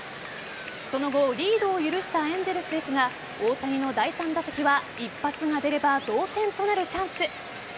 その後リードを許したエンゼルスですが大谷の第３打席は一発が出れば同点となるチャンス。